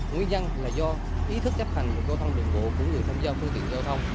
nguyên nhân là do ý thức chấp hành một giao thông điện vụ của người tham gia phương tiện giao thông